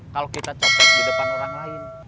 kalau kita cocok di depan orang lain